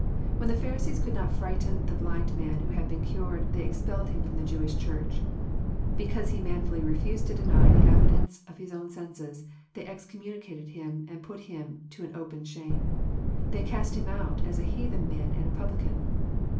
When the Pharisees could not frighten the blind man who had been cured, they expelled him from the Jewish Church. Because he manfully refused to deny the ev idence of his own senses, they excommunicated him, and put him to an open shame. They cast him out ^^ as a heathen man and a publican."